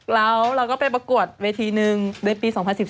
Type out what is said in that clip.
แล้วเราก็ไปประกวดเวทีหนึ่งในปี๒๐๑๔